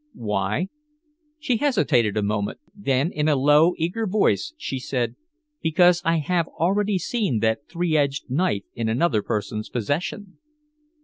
"Why?" She hesitated a moment, then in a low, eager voice she said: "Because I have already seen that three edged knife in another person's possession."